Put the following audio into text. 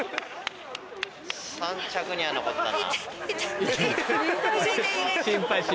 ３着には残ったな。